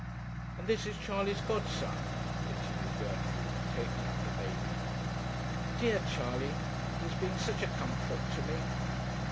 'And this is Charley's godson,' continued Gertrude, taking up the baby. 'Dear Charley! he has been such a comfort to me.'